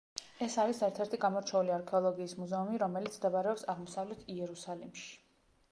ეს არის ერთ-ერთი გამორჩეული არქეოლოგიის მუზეუმი, რომელიც მდებარეობს აღმოსავლეთ იერუსალიმში.